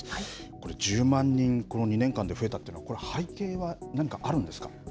これ、１０万人、この２年間で増えたっていうのは、これ、背景は何かあるんですか？